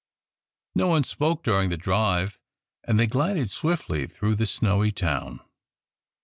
No one spoke during the drive, and they glided swiftly through the snowy town.